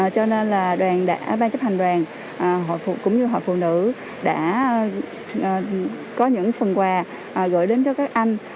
cho nên là ban chấp hành đoàn cũng như hội phụ nữ đã có những phần quà gửi đến cho các anh